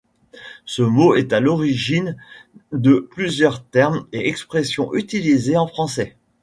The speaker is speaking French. Ce mot est à l'origine de plusieurs termes et expressions utilisés en français.